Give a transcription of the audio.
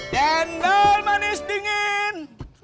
jendol manis dingin